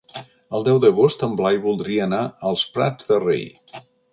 El deu d'agost en Blai voldria anar als Prats de Rei.